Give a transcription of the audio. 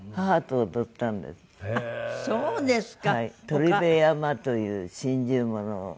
『鳥辺山』という心中ものを。